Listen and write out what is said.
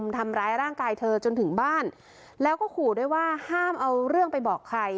ทำร้ายร่างกายเธอจนถึงบ้านแล้วก็ขู่ด้วยว่าห้ามเอาเรื่องไปบอกใคร